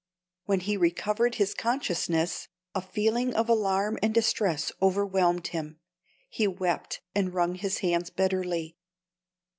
When he recovered his consciousness, a feeling of alarm and distress overwhelmed him. He wept, and wrung his hands bitterly.